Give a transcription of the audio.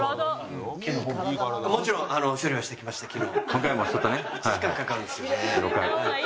もちろん処理はしてきました昨日。